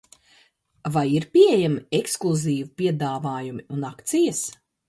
Vai ir pieejami ekskluzīvi piedāvājumi un akcijas?